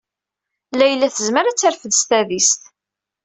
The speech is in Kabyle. Layla tezmer terfed s tadist.